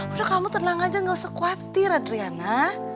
udah kamu tenang aja gak usah khawatir adriana